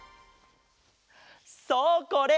そうこれ！